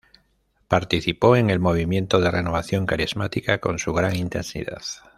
Participó en el Movimiento de Renovación Carismática, con gran intensidad.